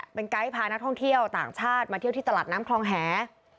มันยายใจผ่านท่องเที่ยวต่างชาติมันเที่ยวกี่ตลาดน้ำคลองแห